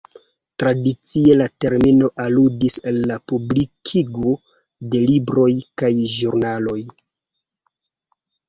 Tradicie la termino aludis al la publikigo de libroj kaj ĵurnaloj.